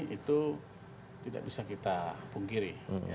itu tidak bisa kita pungkiri